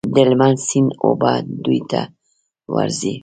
د هلمند سیند اوبه دوی ته ورځي.